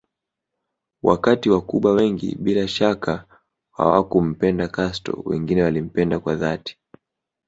Wakati wacuba wengi bila shaka hawakumpenda Castro wengine walimpenda kwa dhati